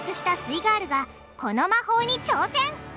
イガールがこの魔法に挑戦！